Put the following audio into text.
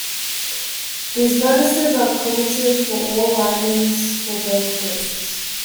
These bonuses are cumulative for all alignments for both Groups.